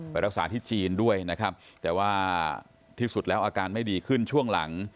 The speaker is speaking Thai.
ไปรักษาที่จีนด้วยนะครับแต่ว่าที่สุดแล้วอาการไม่ดีขึ้นช่วงหลัง